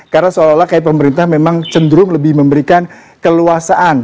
karena seolah olah kayak pemerintah memang cenderung lebih memberikan keluasaan